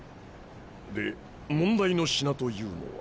で問題の品というのは。